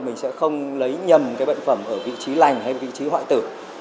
mình sẽ không lấy nhầm cái bệnh phẩm ở vị trí lành hay vị trí hoại tử